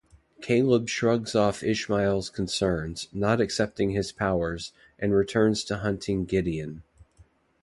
Caleb shrugs off Ishmael's concerns, not accepting his powers, and returns to hunting Gideon.